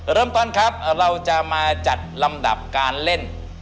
เริ่มต้นครับเราจะมาจัดลำดับการเล่น